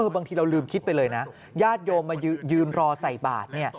บางทีเราลืมคิดไปเลยนะญาติโยมมายืนรอใส่บาท